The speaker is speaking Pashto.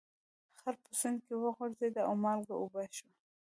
خر په سیند کې وغورځید او مالګه اوبه شوه.